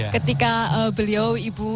ketika beliau ibu